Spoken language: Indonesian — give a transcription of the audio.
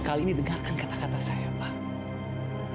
kalian dengarkan kata kata saya pak